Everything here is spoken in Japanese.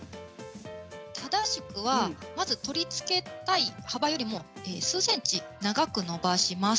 正しくは取り付けたい幅よりも数ｃｍ長く伸ばします。